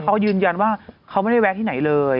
เขายืนยันว่าเขาไม่ได้แวะที่ไหนเลย